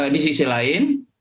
di sisi lain